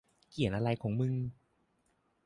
เขียนอะไรของเมิง